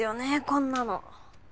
こんなの。